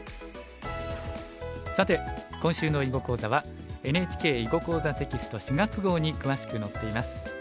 さて今週の囲碁講座はＮＨＫ「囲碁講座」テキスト４月号に詳しく載っています。